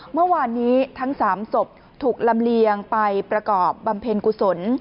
เมื่อวานนี้ทั้ง๓ศพถูกลำเลียงไปประกอบบำเพ็ญกุศล